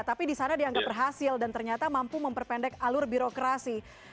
tapi di sana dianggap berhasil dan ternyata mampu memperpendek alur birokrasi